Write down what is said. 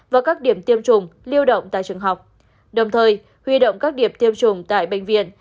và các điểm tiêm chủng lưu động tại trường học đồng thời huy động các điểm tiêm chủng tại bệnh viện